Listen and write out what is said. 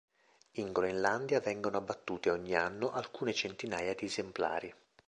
In Groenlandia vengono abbattute ogni anno alcune centinaia di esemplari.